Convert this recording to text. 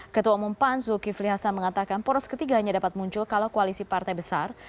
ketua umum pan zulkifli hasan mengatakan poros ketiga hanya dapat muncul kalau koalisi partai besar